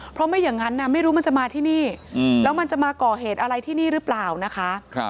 เพราะไม่อย่างนั้นไม่รู้มันจะมาที่นี่แล้วมันจะมาก่อเหตุอะไรที่นี่หรือเปล่านะคะ